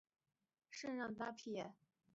圣让达尔卡皮耶。